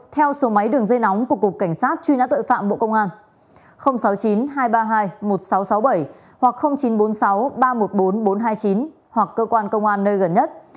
theo số máy đường dây nóng của cục cảnh sát truy nã tội phạm bộ công an sáu mươi chín hai trăm ba mươi hai một nghìn sáu trăm sáu mươi bảy hoặc chín trăm bốn mươi sáu ba trăm một mươi bốn bốn trăm hai mươi chín hoặc cơ quan công an nơi gần nhất